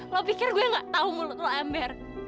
lo pikir gue gak tau mulut lo ember